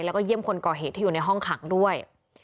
แล้วก็เยี่ยมคนก่อเหตุที่อยู่ในห้องขังด้วย